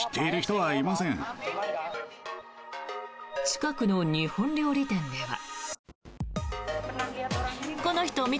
近くの日本料理店では。